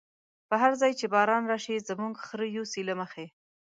په هر ځای چی باران راشی، زموږ خره يوسی له مخی